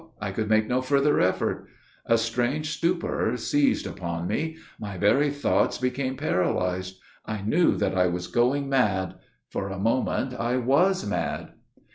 I could make no further effort. A strange stupor seized upon me. My very thoughts became paralyzed. I knew that I was going mad. For a moment I was mad.